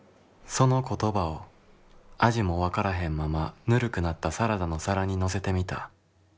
「その言葉を味も分からへんままぬるくなったサラダの皿に乗せてみた。